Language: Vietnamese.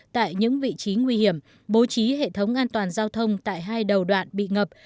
tại những vị trí nguy hiểm bố trí hệ thống an toàn giao thông tại hai đầu đoạn bị ngập